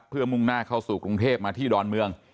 เพื่อมุ่งหน้าเข้าสู่กรุงเทพมาที่ดอนเมือง